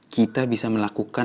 kita bisa melakukan